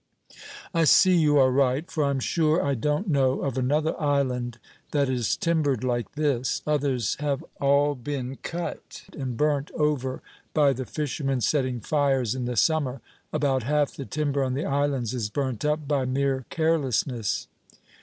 "I see you are right; for I'm sure I don't know of another island that is timbered like this. Others have all been cut, and burnt over by the fishermen setting fires in the summer; about half the timber on the islands is burnt up by mere carelessness."